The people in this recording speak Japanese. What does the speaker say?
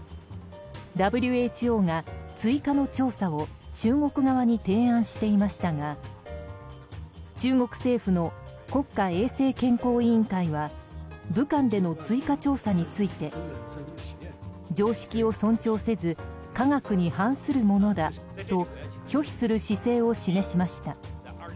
ＷＨＯが追加の調査を中国側に提案していましたが中国政府の国家衛生健康委員会は武漢での追加調査について常識を尊重せず科学に反するものだと拒否する姿勢を示しました。